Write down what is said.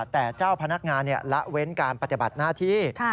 แต่เจ้าพนักงานละเว้นการปฏิบัติหน้าที่